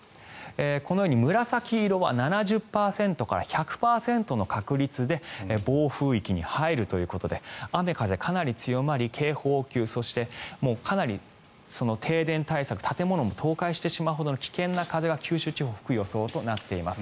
このように紫色は７０％から１００％の確率で暴風域に入るということで雨風、かなり強まり警報級、そしてかなり停電対策建物も倒壊してしまうほどの危険な風が九州地方は吹く予想となっています。